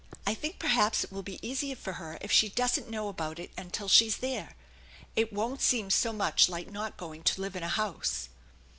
I think perhaps it will be easier for her if she doesn't know about it until she's there. It won't seem so much like not going to live in a house."